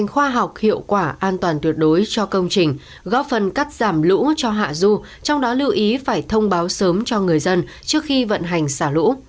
hạ du trong đó lưu ý phải thông báo sớm cho người dân trước khi vận hành xả lũ